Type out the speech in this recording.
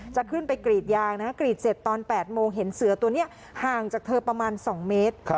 จะขึ้นไปกรีดยางกรีดเสร็จตอน๘โมงเห็นเสือตัวนี้ห่างจากเธอประมาณ๒เมตร